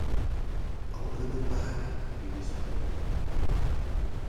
‘Open the bag!’ he whispered.